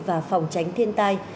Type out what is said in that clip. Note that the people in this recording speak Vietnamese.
và phòng tránh thiên tai